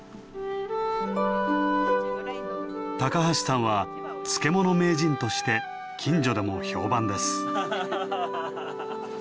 高橋さんは漬物名人として近所でも評判です。